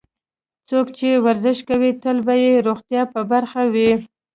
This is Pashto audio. څوک چې ورزش کوي، تل به یې روغتیا په برخه وي.